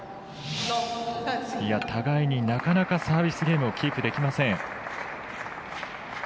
互いになかなかサービスゲームをキープできません。